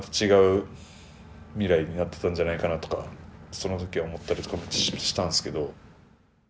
その時は思ったりとかもしたんすけど。